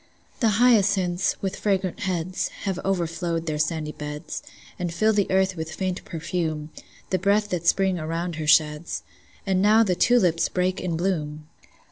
The hyacinths, with fragrant heads, Have overflowed their sandy beds, And fill the earth with faint perfume, The breath that Spring around her sheds. And now the tulips break in bloom!